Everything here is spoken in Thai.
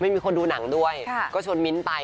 ไม่มีคนดูหนังด้วยก็ชวนมิ้นไป